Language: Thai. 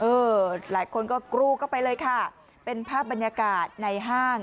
หลายคนก็กรูเข้าไปเลยค่ะเป็นภาพบรรยากาศในห้าง